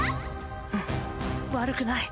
うん悪くない！